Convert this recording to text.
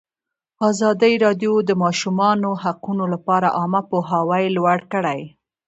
ازادي راډیو د د ماشومانو حقونه لپاره عامه پوهاوي لوړ کړی.